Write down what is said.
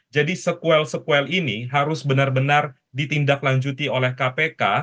jadi sekuel sekuel ini harus benar benar ditindaklanjuti oleh kpk